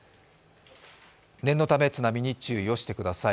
念のため津波に注意をしてください。